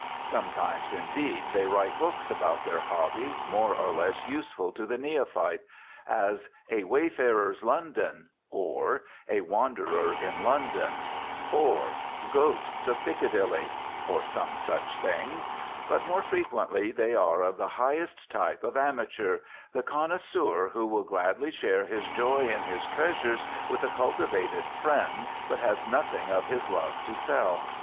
Sometimes, indeed, they write books about their hobby, more or less useful to the neophyte: as "A Wayfarer's London," or "A Wanderer in London," or "Ghosts of Piccadilly," or some such thing; but more frequently they are of the highest type of amateur, the connoisseur who will gladly share his joy in his treasures with a cultivated friend but has nothing of his love to sell.